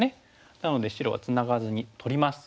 なので白はツナがずに取ります。